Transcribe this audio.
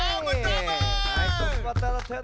ナイストップバッターだったよ